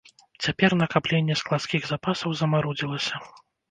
Цяпер накапленне складскіх запасаў замарудзілася.